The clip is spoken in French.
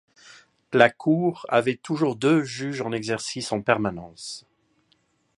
La Cour avait toujours deux juges en exercice en permanence.